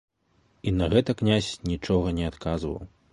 І на гэта князь нічога не адказваў.